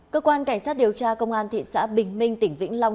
cơ quan cảnh sát điều tra công an thị xã bình minh tỉnh vĩnh long